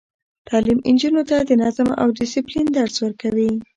تعلیم نجونو ته د نظم او دسپلین درس ورکوي.